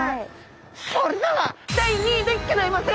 それでは第２位でギョざいますよ！